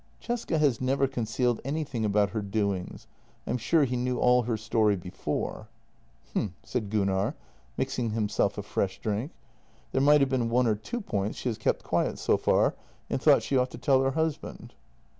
" Cesca has never concealed anything about her doings. I am sure he knew all her story before." " H'm," said Gunnar, mixing himself a fresh drink. " There might have been one or two points she has kept quiet so far, and thought she ought to tell her husband."